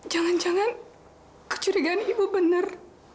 jangan jangan kecurigaan ibu benar